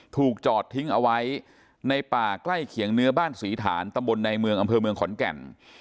ถูกจอดทิ้งเอาไว้ในป่าใกล้เคียงเนื้อบ้านศรีฐานตำบลในเมืองอำเภอเมืองขอนแก่น